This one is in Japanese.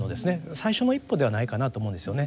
最初の一歩ではないかなと思うんですよね。